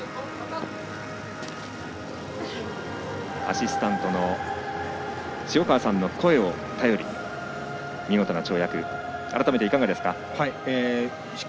アシスタントの声を頼りに見事な跳躍改めていかがですか？